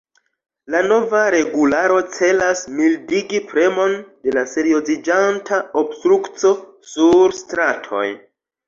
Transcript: La nova regularo celas mildigi premon de la serioziĝanta obstrukco sur stratoj.